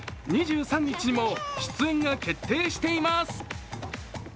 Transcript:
２３日にも出演が決定しています。